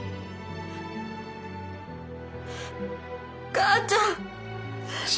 母ちゃん！